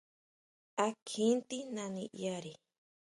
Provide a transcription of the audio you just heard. ¿A kjín tijná niʼyari!